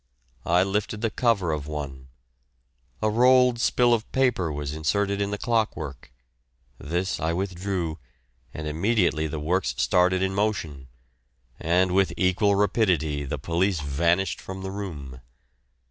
I lifted the cover of one; a rolled spill of paper was inserted in the clock work; this I withdrew, and immediately the works started in motion, and with equal rapidity the police vanished from the room.